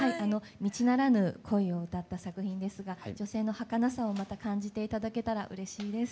道ならぬ恋を歌った作品ですが女性のはかなさをまた感じて頂けたらうれしいです。